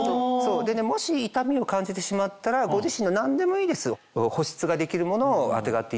もし痛みを感じてしまったらご自身の何でもいいです保湿ができるものをあてがっていただいて。